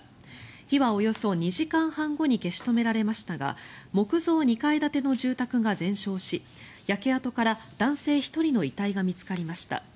火はおよそ２時間半後に消し止められましたが木造２階建ての住宅が全焼し焼け跡から男性１人の遺体が見つかりました。